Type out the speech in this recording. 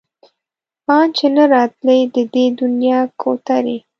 ان چې نه راتلی د دې دنيا کوترې